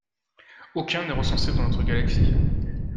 Aucun n'est recensé dans notre Galaxie.